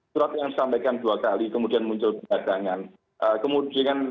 surat yang disampaikan dua kali kemudian muncul belakangan